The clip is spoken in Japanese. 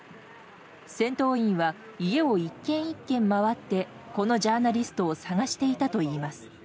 戦闘員は家を１軒１軒回ってこのジャーナリストを捜していたといいます。